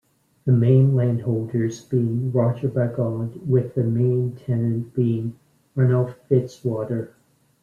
The main landholders being Roger Bigod with the main tenant being Ranulf Fitz Walter.